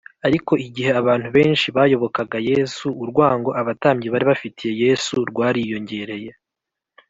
ariko igihe abantu benshi bayobokaga yesu, urwango abatambyi bari bafitiye yesu rwariyongereye